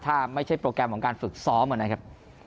ถ้าไม่ใช่โปรแกรมของการฝึกซ้อมเหมือนนั้นครับ